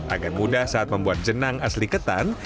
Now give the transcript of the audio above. agar mudah saat membuat jenang asli ketan